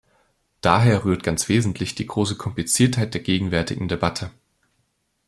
Daher rührt ganz wesentlich die große Kompliziertheit der gegenwärtigen Debatte.